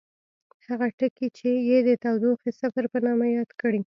هغه ټکی یې د تودوخې صفر په نامه یاد کړ.